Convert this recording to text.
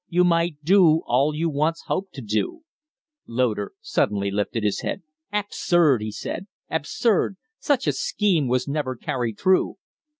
You might do all you once hoped to do " Loder suddenly lifted his head. "Absurd!" he said. "Absurd! Such a scheme was never carried through."